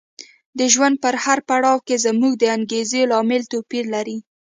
د ژوند په هر پړاو کې زموږ د انګېزې لامل توپیر لري.